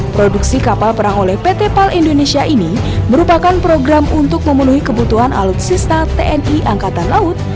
produksi kapal perang oleh pt pal indonesia ini merupakan program untuk memenuhi kebutuhan alutsista tni angkatan laut